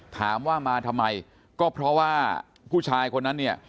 ถามว่ามาทำไมก็เพราะว่าผู้ชายคนนั้นเนี่ย